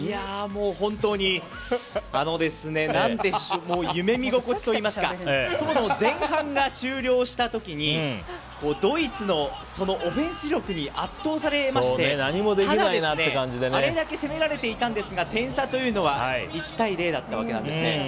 本当に、夢見心地といいますかそもそも前半が終了した時にドイツのオフェンス力に圧倒されましてただ、あれだけ攻められていたんですが点差というのは１対０だったわけなんですね。